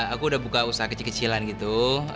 aku udah buka usaha kecil kecilan gitu